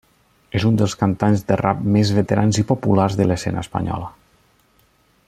És un dels cantants de rap més veterans i populars de l'escena espanyola.